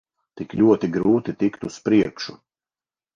Tik ļoti grūti tikt uz priekšu.